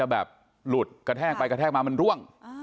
แบบหลุดกระแทกไปกระแทกมามันร่วง